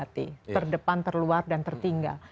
terdepan terluar dan tertinggal